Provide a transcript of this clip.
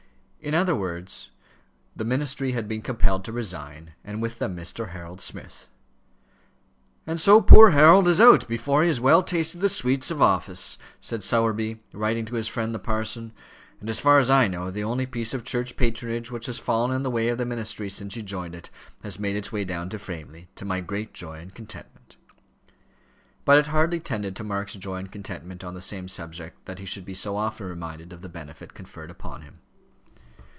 In other words, the ministry had been compelled to resign, and with them Mr. Harold Smith. "And so poor Harold is out, before he has well tasted the sweets of office," said Sowerby, writing to his friend the parson; "and as far as I know, the only piece of Church patronage which has fallen in the way of the ministry since he joined it, has made its way down to Framley to my great joy and contentment." But it hardly tended to Mark's joy and contentment on the same subject that he should be so often reminded of the benefit conferred upon him.